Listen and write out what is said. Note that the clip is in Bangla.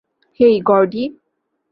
হেই, গর্ডি।